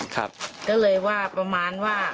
ก็เลยว่าประมาณว่า